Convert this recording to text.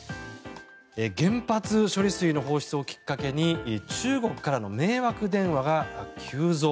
原発処理水の放出をきっかけに中国からの迷惑電話が急増。